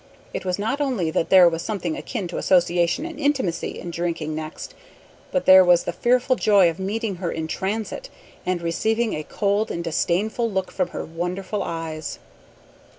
It was not only that there was something akin to association and intimacy in drinking next, but there was the fearful joy of meeting her in transit and receiving a cold and disdainful look from her wonderful eyes.